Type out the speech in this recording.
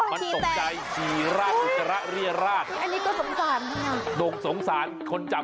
อ่าอะไรครับ